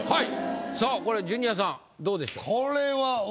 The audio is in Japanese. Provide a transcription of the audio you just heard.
さあこれジュニアさんどうでしょう？